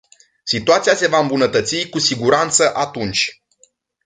Situația se va îmbunătăți cu siguranță atunci.